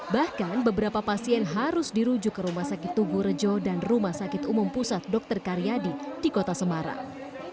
bahkan beberapa pasien harus dirujuk ke rumah sakit tugurejo dan rumah sakit umum pusat dr karyadi di kota semarang